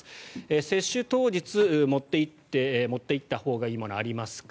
接種当日、持っていったほうがいいものはありますか？